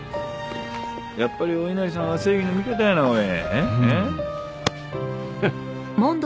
やっぱりお稲荷さんは正義の味方やなおい。